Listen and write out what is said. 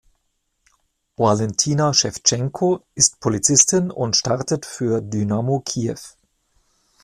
Walentyna Schewtschenko ist Polizistin und startet für Dynamo Kiew.